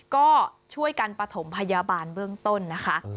ก็ช่วยกันประถมพยาบาลเบื้องต้นนะคะ